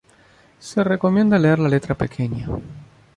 Se recomienda leer la letra pequeña.